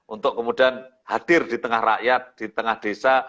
untuk kemudian hadir di tengah rakyat di tengah desa